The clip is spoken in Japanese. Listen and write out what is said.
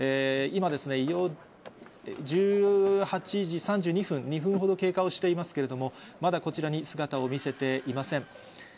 今、１８時３２分、２分ほど経過をしていますけれども、まだこちらに姿を見せていません。